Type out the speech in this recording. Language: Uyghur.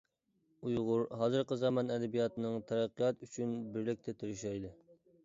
ئۇيغۇر ھازىرقى زامان ئەدەبىياتىنىڭ تەرەققىياتى ئۈچۈن بىرلىكتە تىرىشايلى!